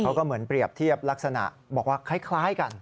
เขาก็เหมือนเปรียบเทียบลักษณะบอกว่าคล้ายกัน